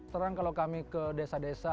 terang kalau kami ke desa desa